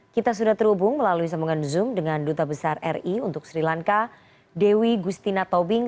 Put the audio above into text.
kita sudah terhubung melalui sambungan zoom dengan duta besar ri untuk sri lanka dewi gustina tobing